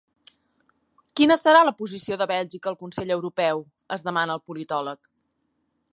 Quina serà la posició de Bèlgica al consell europeu?, es demana el politòleg.